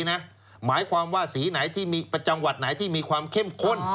หมายความว่าสีไหนที่มีจังหวัดไหนที่มีความเข้มข้น